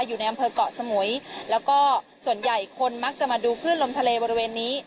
อยู่ในอำเภอกเกาะสมุยแล้วก็ส่วนใหญ่คนมักจะมาดูคลื่นลมทะเลบริเวณนี้